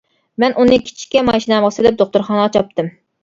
مەن ئۇنى كىچىككە ماشىنامغا سېلىپ دوختۇرخانىغا چاپتىم.